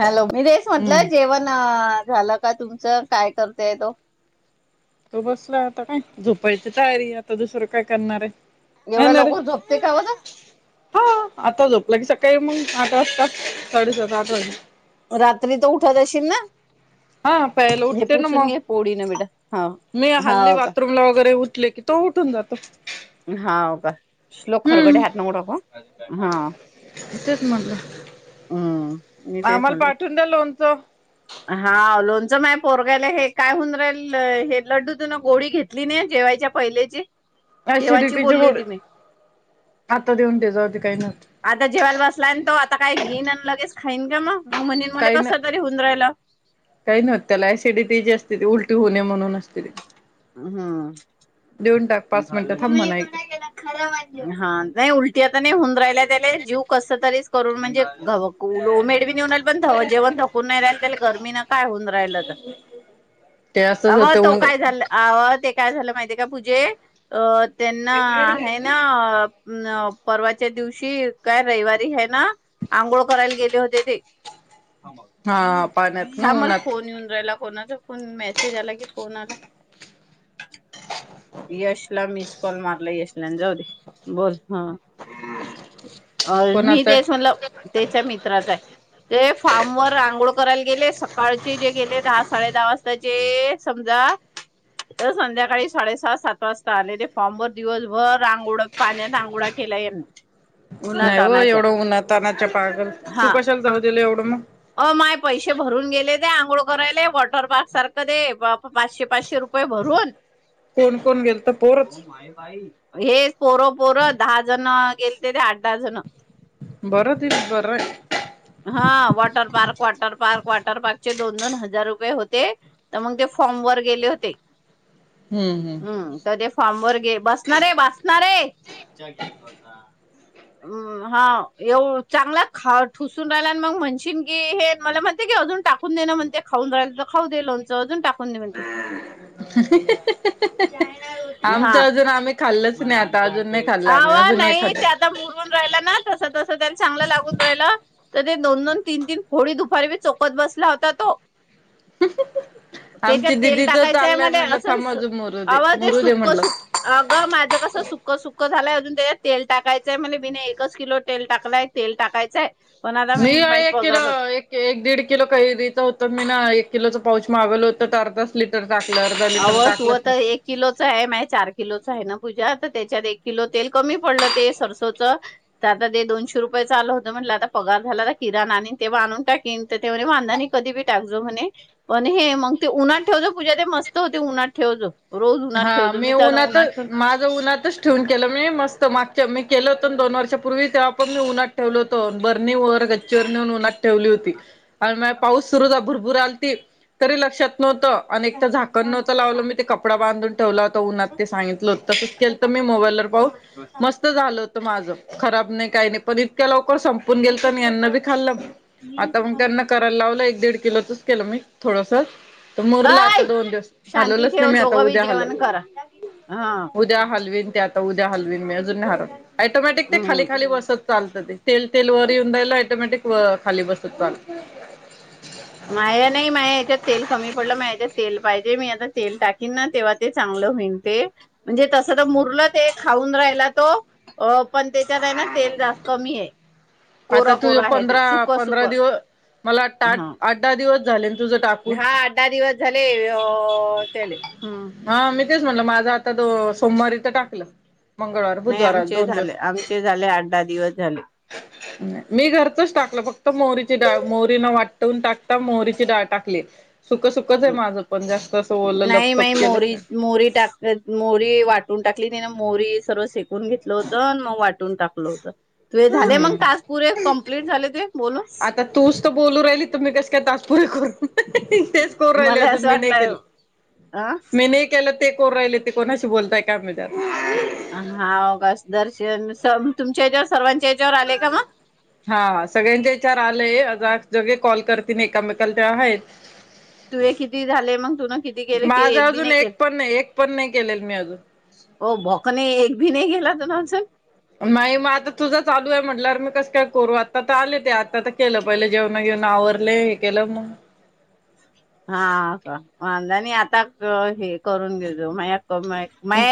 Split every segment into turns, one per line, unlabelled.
Hello मी तेच
हम्म
म्हटलं जेवण झालं का तुमचं. काय करतेय तो.
तो बसला आता काय. झोपायची तयारी आता दुसरं काय करणार आहे. नाही
एवढ्या
ना रे
लवकर झोपते का बझ.
हा आता झोपला. की सकाळी मग आठ वाजतात साडेसात आठ वाज
रात्री तर उठत असशील ना.?
हा प्यायला
हे
उठते ना
पुसून
मग
घे पोळी ना बेटा हा.
मी हल्ली
हाव का
बाथरूम ला वगैरे उठले की तो उठून जातो.
हाव का लोक खरगडे
हम्म.
हात लावू नको हा.
तेच म्हटलं
हम् मी तेच
आम्हाला
म्हणल.
पाठवून द्या लोणचं
हा लोणचं मा पोरगायला हे. काय होऊन राहिल. हे लड्डू तून गोळी घेतली नाही. ठेवायच्या पहिल्याची खेवाची
ऍसिडिटीचे
बोलली
गोळे
होती मी.
आता देऊन दे जाऊदे काही नव्हतं
आता जेवायला बसला तो आ आता काही घेऊन. आणि लगेच खाईन का. मग-मग म्हणेन मला
काही न
कस तरी होऊन राहिलं.
काही नव्हत त्याला ऍसिडिटी जी असते ती. उलटी होणे म्हणून असते ती.
हम्.
देऊन टाक पाच मिनिटं थांब
नाही
म्हणा एक
उलटी आता. नाही होऊन राहिलात. जीव कस तरी करून म्हणजे. मेडवीे पण जेवण थकून नाही राहिले. गर्मीन. काय होऊन राहिल तर.
ते असंच
अव
होतं
तो
ऊन
काय झाल आव. काय झालं माहितीय का पूजे. अ त्यांना आहे ना. अ परवाच्या दिवशी काय रविवारी हे ना आंघोळ करायला गेले होते ते.
हा पाण्यात ना
थांब मला
उन्हात
फोन येऊन राहिला. कोणाचा फोनचा मेसेज आला कि फोन आला. यश ला मिस कॉल मारला यशला जाऊ दे बोल ह. अ मी
कोणाचा
तेच म्हणलं. त्याच्या मित्राचा आहे. ते फार्म वर रांगोळ करायला गेले. सकाळचे जे गेले दहा साडे दहा वाजताचे. समजा संध्याकाळी साडेसहा-सात. वाजता ते फॉर्म वर दिवसभर अंघोळ पाण्यात आंघोळा केला यांनी. उन्हात
नाही ओ.
तानाच्या
एवढं उन्हा तानाच्या पागल.
हा
तू कशाला जाऊ दिलं एवढं मग.
अ माय पैसे भरून गेले ते आंघोळ करायले वॉटर पार्क सारखं दे पाचशे-पाचशे रुपये भरून.
कोण-कोण गेलत पोरच.
हेच पोरं-पोरं दहा जण गेलते ते आठ दहा जण.
बर तेचं बर हाय.
हा water park water park. Water पार्कचे. दोन-दोन हजार रुपये होते. तर मग ते फॉर्म वर गेले होते. हम्म तर ते फॉम वर गे बसणारे-बसणारे. मज्जा घेत बसा. हम्म हा येव चांगला ख ठुसून राहिला आणि मग म्हणशीन. की हे मला म्हणते की. अजून टाकून दे ना. म्हणते खाऊ राल तर खाऊ दे लोणचं अजून टाकून दे म्हणते.
आमचं
हा
अजून आम्ही खाल्लंच नाही आता अजून नाही खाल्लं आम्ही
मला
अजून
नाही ते
खाल्लं
आता मुरून राहिलं ना तस तस त्यांनी चांगलं लागून राहिलं तर ते दोन दोन तीन तीन फोडी दुपारी बी चोकत बसला होता तो त्याच्यात
आमची
तेल
दिदीच
टाकायचंय
चाललंय
म्हण
म्हटलं थांब
असं
अजून मुरू दे
अगं ते
मुरू दे
सुक
म्हटलं
सु अगं माझं कसं सु सुक सुक्ख झालंय अजून त्याच्यात तेल टाकायचंय म्हणजे बिने एकच किलो तेल टाकलाय तेल टाकायचंय पण आता
मी
माही
आहे एकि
पगार
एक एक दीड किलो काही दिता होत मी ना एक किलोच पाऊच मागवल होत तर अर्धास लिटर टाकलं अर्धा लिटर
अवं तू
टाकलंच नाही
तर एक किलोच आहे माझ चार किलोच आहे ना पूजा त्याच्यात एक किलो तेल कमी पडलं ते सरसोच तर आता ते दोनशे रुपयाेच आलं होत म्हणलं आता पगार झाल किरणा आणिण तेव्हा आणून टाकीन कधीही टाक मग ते उन्हात ठेवजो पूजा ते मस्त होते उन्हात ठेव जाो रोज उन्हात
हा
ठेवजो
मी
तर उन्हात
उन्हातच माझं उन्हातच ठेवून केलं म्हण मस्त माग मी केलं होतं दोन वर्षापूर्वी तेव पण मी उन्हात ठेवल होतो ंबरणी वर गच्चीवर नेऊन उन्हात ठेवली होती आणि म पाऊस सुरू होता भूरभूर आलती तरी लक्षात नव्हतं आणिने झाकण नव्हतं लावलं मी ते कप बधून ठेवला हो उन्हात ते सांगितल हो तसच केलं तर मी मोबाईलर पाहून मस्त झालं होत माझं खराब नाही काही नाही पण इतक्या लोक संपून गेल तर यांना बी खाल्ल आता मग त्यांना करायला लावलं एक दीड किलोचच केलं मी थोडस तर मोरला आता
अय
दोन दिवस
शांती
हलवलंच
ठेव
नाही मी आता
दोघं बी
उद्या हलव
जेवण करा हा
उद्या हलवीन त्यात उद्या हल अज टोमॅटिक
हम्म
खाली खाली बसत चालत तेल तेल ऑटोमॅटिक खाली बसत जातंय
माया नाही माया ह्याच्यात तेल कमी पडलं माझ्याच्यात तेल माहिती मी आता तेल टाकन ना तेव्हा ते चांगलं होईल ते म्हणजे तस ते मुरलं खऊ राला तो पण त्याच्यात ना तेल जास्त कमी आहे
आता
कोरं
तू
कोरं आहे ते
पंधरा
सुक सुक
पंधरा दिवस मला
हा
आठ दहा दिवस झाले तुझं टाकून.
हा अठ दहा दिवस झाले त्याले हम्म
हा मी तेच म्हणल माझा आता त सोमवारी तर टाकलं मंगळवार
नाही
बुधवार
आमचे
दोन
झाले
दिवस.
आमचे झाले आठ दहा दिवस झाले
मी घरतोच टाकलं फक्त मोहरी ची डाळ मोहरी न वाटवून टाक ता मोहरीची डाळ टाकली सुकं सुकंच आहे माझं पण जास्त असं ओलं
नाही माई
लपतप केलंच
मोहरी
नाही.
वाटुन टाकली टाकली तिने मोहरी सर्व शेकून घेतलं होतं मग वाटून टाकलं होतं तुझे झाले मग टास्क पुरे कंप्लीट झाले तुझे बोलून
आता तूच तर बोलू राहिली तुम्ही कस काय त पुरे कर तेच कोर राहिले
मला
अजून
असं
मी नाही केले
वाटलं अ
मी नाही केलं ते कोर राहिले ते कोणाशी बोलताय का आमदार
हागस दर्शन स तुमच्याच्यावर सर्वांच
हा सगळ्यांचा विचार आलेय जग कॉल करते तिकामेकाल ते आहेत
तुझे किती झाले मग तुन किती केले की
माझा
बी
अजून
नाही
एक
केलं
पण नाही एक पण नाही केलेल मी अजून
एक बोखने एक पण नाही केला तुने
नाही मग आता आ आले ते आता तर केलं पहिले जेवण घेऊन आवरले हे केलं मग
हा का वांजणी आता हे करून घेतो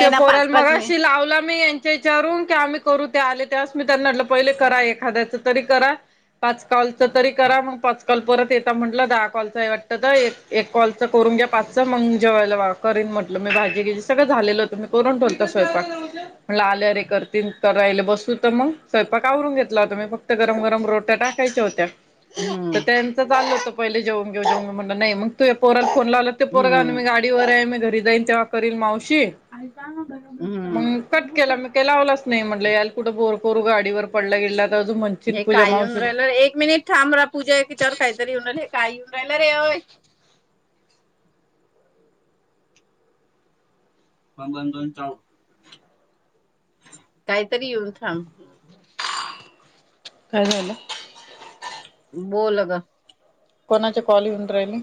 ते पोरल मगाशी लावला मी विचारून की आम्ही करू ते आले तेवस मी त्यांनाटलं पहिले करा एखाद्याच तरी करा पाच कॉलच तरी करा मग पाच काल परत येता म्हटलं दहा कॉलच आहे वाटत तर एक एक कॉलच करून घ्या पाच मग जेवायला करन म्हटलं मी भाजी झाले होत मी करून ठोलत स्वयंपाक आले अरे करतील तर राले बसू तर मग स्वयंपाक कावरून घेतला होता मी फक्त गरम गरम रोटी टाकायच्या होत्या तर
हम्म
त्यांच चाललं होतं पहिले जेऊून घेऊ जे म्हण नाही मग तू पोर कोण लावलं ते पोरगा
हम्म
मी गाडीवरर आहे मी घरी जाईन तेव्हा करीलल मावशी
हम्म.
मग कट केला मग का लावलाच नाही म्हटलं याल कुठं पोरगं गाडीवर पडलं गेलं
पण हे काय येऊन राहिल एक मिनिट थांब रा पूजािच्यावर काहीतरी येऊन हे काय येऊन कॅमेरा आहे होय. द काहीतरी येऊन सांग
काय झालं.
बोल ग
कोणाचे कॉल एऊन राहिली.